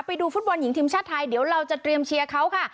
ไปดูฟุตบอลหญิงทีมชาติไทยเดี๋ยวเราจะเตรียมเชียร์เขาค่ะ